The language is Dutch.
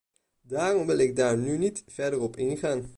Daarom wil ik daar nu niet verder op ingaan.